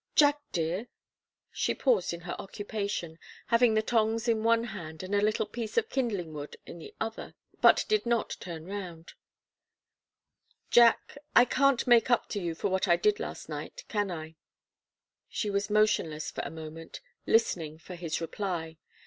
"Jack dear " she paused in her occupation, having the tongs in one hand and a little piece of kindling wood in the other, but did not turn round "Jack, I can't make up to you for what I did last night, can I?" She was motionless for a moment, listening for his reply.